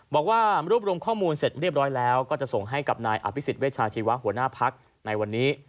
บอกว่ารวบรวมข้อมูลเสร็จเรียบร้อยแล้วก็จะส่งให้กับนายอภิษฎเวชาชีวะหัวหน้าพักในวันนี้